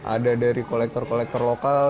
ada dari kolektor kolektor lokal